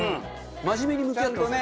真面目に向き合ってますよね。